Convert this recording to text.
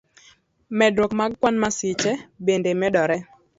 Medruok mar kwan mag masiche bende medore.